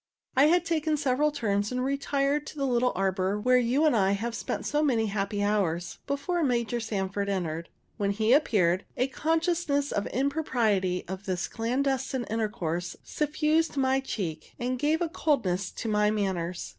I had taken several turns, and retired into the little arbor, where you and I have spent so many happy hours, before Major Sanford entered. When he appeared, a consciousness of the impropriety of this clandestine intercourse suffused my cheek, and gave a coldness to my manners.